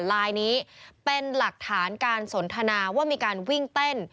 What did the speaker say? ลายนี้เป็นหลักฐานการสนทนาว่ามีการวิ่งเต้น